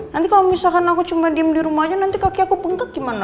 nanti kalau misalkan aku cuma diem di rumah aja nanti kakek aku puntuk gimana